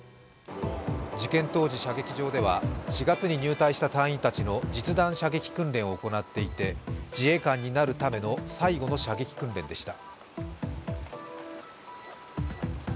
事件当時射撃場では４月に入隊した隊員の実弾射撃訓練を行っていて、自衛官になるための最後の射撃訓練でした。